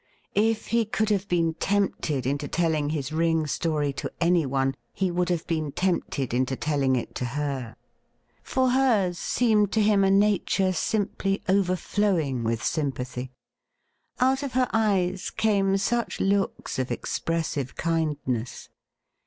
If he could have been tempted into telling his ring story to anyone, he would have been tempted into telling it to her. For hers seemed to him a nature simply overflowing with sympathy. Out of her eyes came such looks of expressive kindness.